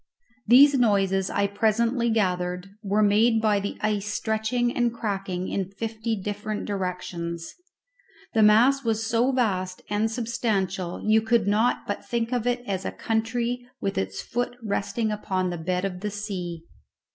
These noises, I presently gathered, were made by the ice stretching and cracking in fifty different directions. The mass was so vast and substantial you could not but think of it as a country with its foot resting upon the bed of the sea.